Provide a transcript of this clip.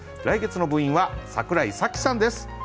来月の部員は櫻井紗季さんです。